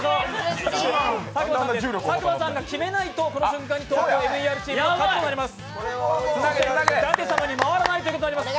佐久間さんが決めないと、この瞬間に「ＴＯＫＹＯＭＥＲ」チームが勝ちます。